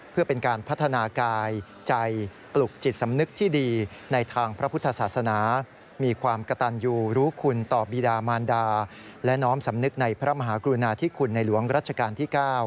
เพื่อเป็นการพัฒนากายใจปลุกจิตสำนึกที่ดีในทางพระพุทธศาสนามีความกระตันอยู่รู้คุณต่อบีดามานดาและน้อมสำนึกในพระมหากรุณาธิคุณในหลวงรัชกาลที่๙